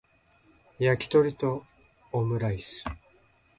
やきとりとオムライス